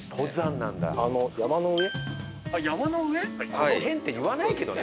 「この辺」って言わないけどね